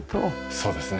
そうですね。